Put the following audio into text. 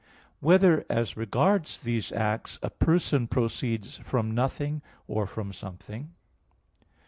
(3) Whether as regards these acts, a person proceeds from nothing or from something?